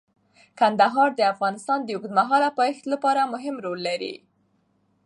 کندهار د افغانستان د اوږدمهاله پایښت لپاره مهم رول لري.